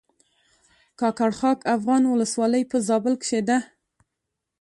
کاکړ خاک افغان ولسوالۍ په زابل کښې ده